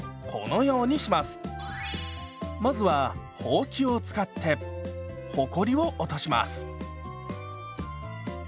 まずはほうきを使ってほこりを落とします。